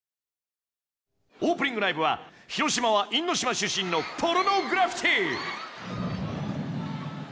オープニングライブは広島は因島出身のポルノグラフィティ。